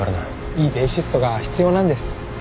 いいベーシストが必要なんです。